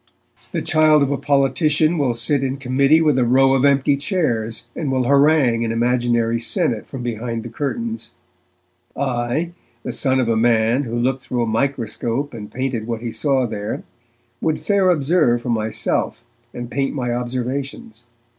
The child of a politician will sit in committee with a row of empty chairs, and will harangue an imaginary senate from behind the curtains. I, the son of a man who looked through a microscope and painted what he saw there, would fair observe for myself, and paint my observations.